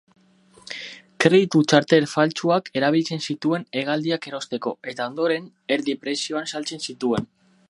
Kreditu-txartel faltsuak erabiltzen zituen hegaldiak erosteko, eta ondoren erdi prezioan saltzen zituen.